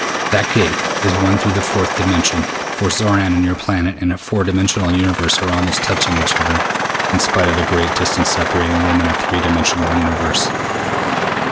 "That gate is the one through the fourth dimension, for Xoran and your planet in a four dimensional universe are almost touching each other in spite of the great distance separating them in a three dimensional universe.